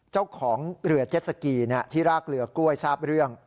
เจ้าของเรือเจ็ดสกีที่รากเรือกล้วยทราบเรื่อง